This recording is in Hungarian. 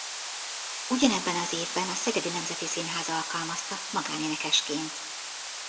Ugyanebben az évben a Szegedi Nemzeti Színház alkalmazta magánénekesként.